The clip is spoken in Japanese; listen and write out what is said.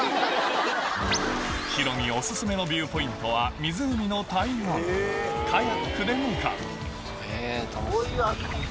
ヒロミお薦めのビューポイントは湖の対岸カヤックで向かうこういう。